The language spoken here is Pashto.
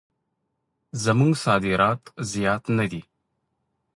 زموږ صادرات زیات نه دي.